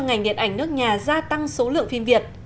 ngành điện ảnh nước nhà gia tăng số lượng phim việt